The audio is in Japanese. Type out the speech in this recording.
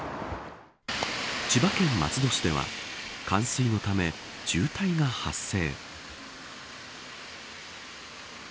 千葉県松戸市では冠水のため、渋滞が発生。